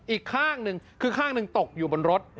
อีกข้างหนึ่งคือข้างหนึ่งตกอยู่บนรถ